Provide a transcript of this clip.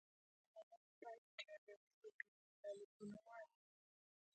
هره ورځ، ستا ایټالوي ملګري ستا لیکونه وایي؟